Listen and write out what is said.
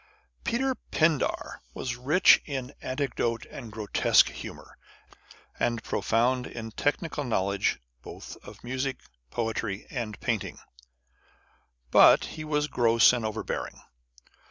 Peter Pindar was rich in anecdote and grotesque humour, and profound in technical knowledge both of music, poetry, and painting, but he was gross and overbearing.